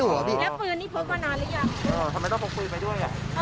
แล้วปืนนี่พกมานานหรือยังเออทำไมต้องพกปืนไปด้วยอ่ะ